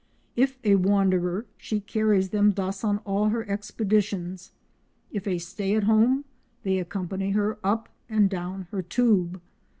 If a wanderer, she carries them thus on all her expeditions; if a stay at home, they accompany her up and down her tube.